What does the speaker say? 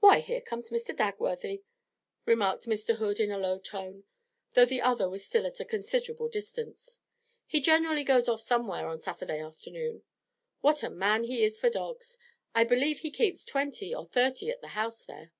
'Why, here comes Mr. Dagworthy,' remarked Mr. Hood, in a low tone, though the other was still at a considerable distance. 'He generally goes off somewhere on Saturday afternoon. What a man he is for dogs! I believe he keeps twenty or thirty at the house there.'